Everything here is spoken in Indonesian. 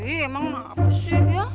ih emang kenapa sih ya